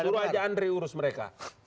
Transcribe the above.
suruh aja andre urus mereka